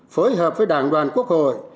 phối hợp với đảng đoàn quốc hội